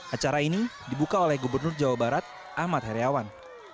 acara ini dibuka oleh gubernur jawa barat ahmad heriawan